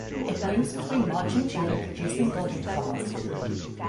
It blooms between March and June producing golden flowers.